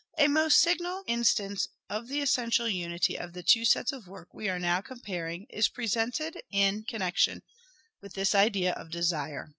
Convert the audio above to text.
'' A most signal instance of the essential unity of the two sets of work we are now comparing, is presented in connection with this idea of " Desire."